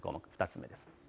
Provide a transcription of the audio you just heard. ２つ目です。